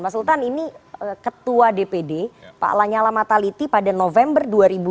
pak sultan ini ketua dpd pak lanyala mataliti pada november dua ribu dua puluh